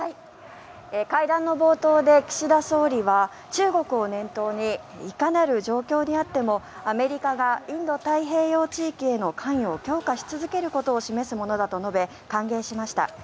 会談の冒頭で岸田総理は中国を念頭にいかなる状況であってもアメリカがインド太平洋地域への関与を強化し続けることを示すものだと述べ歓迎しました。